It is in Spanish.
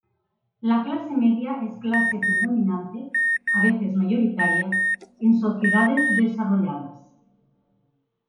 La clase media es clase predominante -a veces mayoritaria- en sociedades desarrolladas.